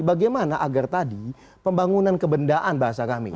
bagaimana agar tadi pembangunan kebendaan bahasa kami